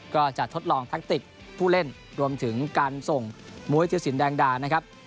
ก็จะทดลองแทคติกผู้เล่นรวมถึงการส่งมวยธิรสินแดงดานะครับ